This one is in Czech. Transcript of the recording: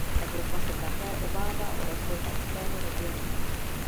Evropa se také obává o rozvoj Baltského regionu.